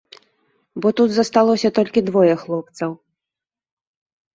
Бо тут засталося толькі двое хлопцаў.